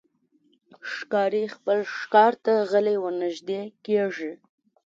ښکاري خپل ښکار ته غلی ورنژدې کېږي.